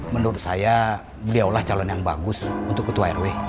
menurut saya beliaulah calon yang bagus untuk ketua rw